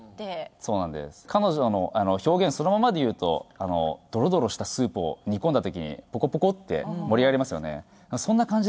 そうなんですドロドロしたスープを煮込んだ時にポコポコって盛り上がりますよね